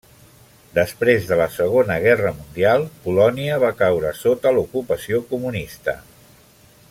Després de la Segona Guerra Mundial, Polònia va caure sota l'ocupació comunista.